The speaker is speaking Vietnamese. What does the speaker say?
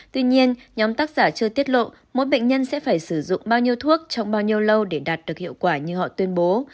tuy nhiên nhóm tác giả chưa tiết lộ mỗi bệnh nhân sẽ phải sử dụng bao nhiêu thuốc trong bao nhiêu lâu để đạt được hiệu quả như họ tuyên bố